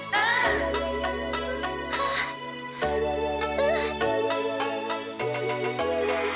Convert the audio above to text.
うん。